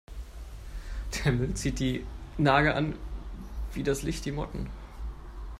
Der Müll zieht die Nager an wie das Licht die Motten.